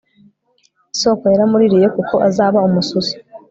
Isoko yaramuririye kuko azaba umususu